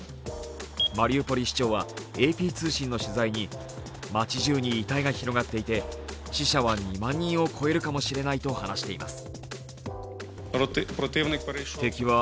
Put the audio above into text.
マリウポリ市長はＡＰ通信の取材に町じゅうに遺体が広がっていて死者は２万人を超えるかもしれないと話しています。